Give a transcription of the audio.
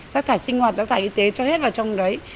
rác thải sinh hoạt rác thải y tế cho hết vào trong đấy